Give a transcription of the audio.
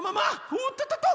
おっとっとっと！